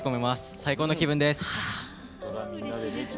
最高の気分です！